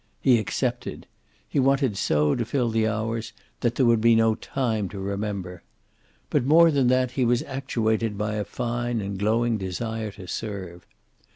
He accepted. He wanted so to fill the hours that there would be no time to remember. But, more than that, he was actuated by a fine and glowing desire to serve.